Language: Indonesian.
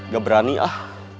gak berani ah